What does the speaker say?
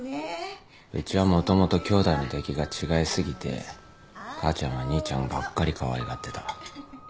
うちはもともと兄弟の出来が違い過ぎて母ちゃんは兄ちゃんばっかりかわいがってた。